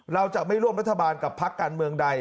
เราจะไม่ร่วมรัฐบาลกับพักการเมืองใด